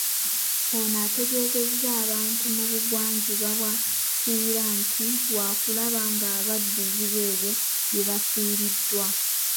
Ono ategeezezza abantu mu bugwanjuba bwa Kiyiira nti waakulaba ng'abaddiza ebyo bye bafiiriddwa.